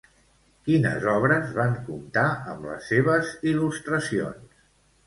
Quines obres van comptar amb les seves il·lustracions?